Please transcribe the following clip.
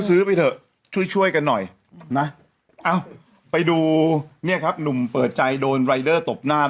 ซื้อไปเถอะช่วยกันหน่อยไปดูนุ่มเปิดใจโดนรายเดอร์ตบหน้า